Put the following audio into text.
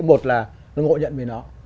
một là nó ngộ nhận về nó